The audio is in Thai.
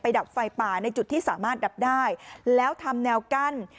ดับไฟป่าในจุดที่สามารถดับได้แล้วทำแนวกั้น